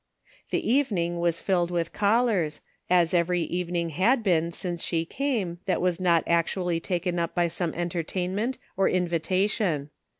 The evening was filled with callers, as every even ing had been since she came thait was not actually taken up by some entertainment or invitation.